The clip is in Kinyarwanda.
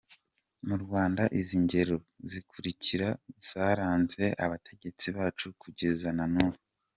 Mu Rwanda izi ngero zikulikira zaranze abategetsi bacu kugeza na nubu.